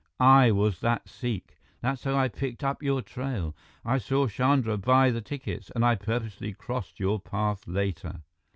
I was that Sikh. That's how I picked up your trail. I saw Chandra buy the tickets, and I purposely crossed your path later.